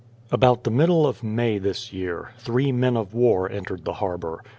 About the middle of May this year, three men of war entered the harbour.